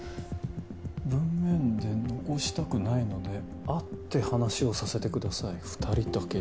「文面で残したくないので会って話をさせてください二人だけで」。